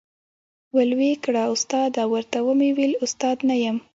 ول وې کړه ، استاده ، ورته ومي ویل استاد نه یم ،